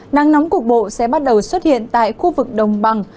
nắng nóng cục bộ sẽ bắt đầu xuất hiện tại khu vực đồng bằng